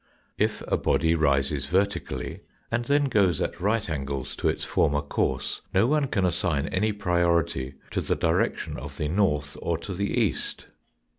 If a body rises vertically and then goes at right angles to its former course, no one can assign any priority to the direction of the north or to the east.